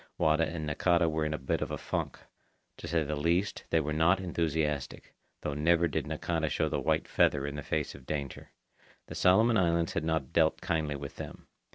Wada and Nakata were in a bit of a funk. To say the least, they were not enthusiastic, though never did Nakata show the white feather in the face of danger. The Solomon Islands had not dealt kindly with them.